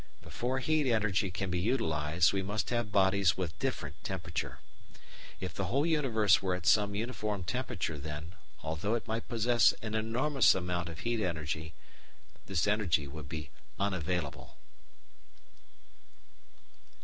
Before heat energy can be utilised we must have bodies with different temperature. If the whole universe were at some uniform temperature, then, although it might possess an enormous amount of heat energy, this energy would be unavailable.